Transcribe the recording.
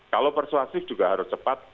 kalau persuasif juga harus cepat